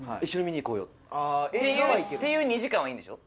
映画は行ける。っていう２時間はいいんでしょ。